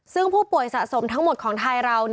ซึ่งผู้ป่วยสะสมทั้งหมดของไทยเรา